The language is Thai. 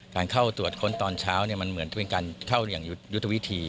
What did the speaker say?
การเข้าตรวจค้นตอนเช้ามันเหมือนเป็นการเข้าอย่างยุทธวิธี